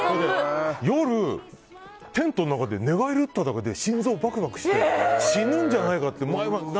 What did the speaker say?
夜、テントの中で寝返りを打っただけで心臓バクバクして死ぬんじゃないかって。